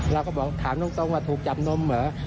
เราก็บอกถามตรงว่าถูกจับนมเหรอ